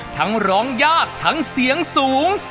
ร้องยากทั้งเสียงสูง